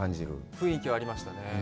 雰囲気はありましたね。